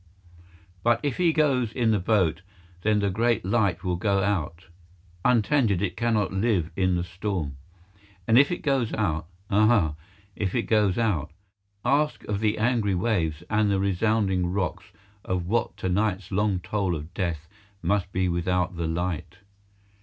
But if he goes in the boat then the great light will go out. Untended it cannot live in the storm. And if it goes out—ah! if it goes out—ask of the angry waves and the resounding rocks of what to night's long toll of death must be without the light!